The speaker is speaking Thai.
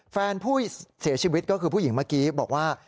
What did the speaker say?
แฟนผู้เสียชีวิตก็คือผู้หญิงเมื่อกี้บอกว่า